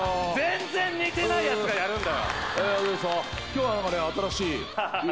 全然似てないやつがやるんだ。